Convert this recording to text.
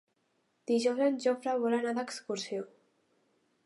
Dijous en Jofre vol anar d'excursió.